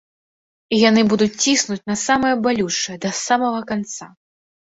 І яны будуць ціснуць на самае балючае да самага канца.